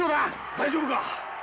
大丈夫か？